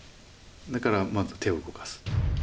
だからまず手を動かす。